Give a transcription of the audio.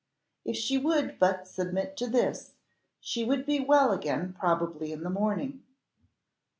If she would but submit to this, she would be well again probably in the morning.